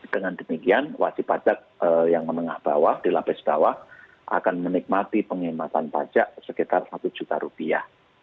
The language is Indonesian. dengan demikian wajib pajak yang menengah bawah dilapis bawah akan menikmati penghematan pajak sekitar satu juta rupiah